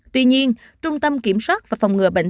tuy nhiên trung tâm kiểm soát và phòng chống dịch